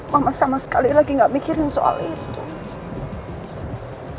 mama sama sekali lagi gak mikirin soal itu